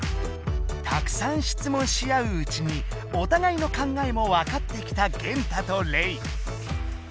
たくさんしつもんし合ううちにお互いの考えもわかってきたゲンタとレイ。